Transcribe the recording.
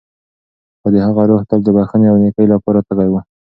خو د هغه روح تل د بښنې او نېکۍ لپاره تږی و.